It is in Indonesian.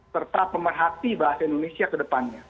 serta pemerhati bahasa indonesia ke depannya